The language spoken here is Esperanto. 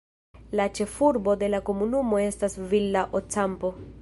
La ĉefurbo de la komunumo estas Villa Ocampo.